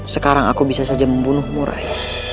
sekarang aku bisa saja membunuhmu rai